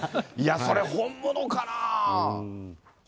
いや、それ本物かな？